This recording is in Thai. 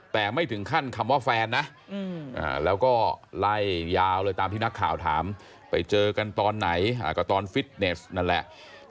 แต่ไม่ถึงขั้นคำว่าแฟนนะแล้วก็ไล่ยาวเลยตามที่นักข่าวถามไปเจอกันตอนไหนก็ตอนฟิตเนสนั่นแหละ